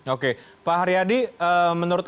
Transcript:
oke pak haryadi menurut